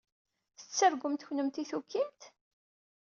Tettargumt, kennemti tukimt?